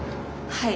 はい。